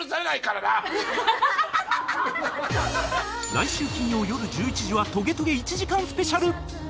来週金曜よる１１時は『トゲトゲ』１時間スペシャル